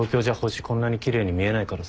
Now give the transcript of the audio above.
こんなに奇麗に見えないからさ。